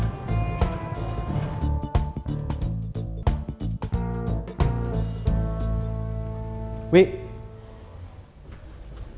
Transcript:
nanti bisa ikut ketemu